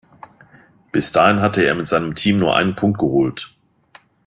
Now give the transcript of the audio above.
Bis dahin hatte er mit seinem Team nur einen Punkt geholt.